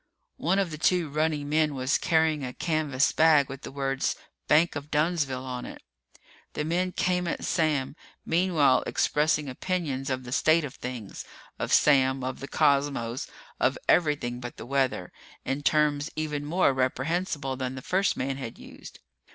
One of the two running men was carrying a canvas bag with the words BANK OF DUNNSVILLE on it. The men came at Sam, meanwhile expressing opinions of the state of things, of Sam, of the Cosmos of everything but the weather in terms even more reprehensible than the first man had used.